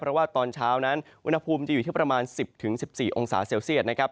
เพราะว่าตอนเช้านั้นอุณหภูมิจะอยู่ที่ประมาณ๑๐๑๔องศาเซลเซียตนะครับ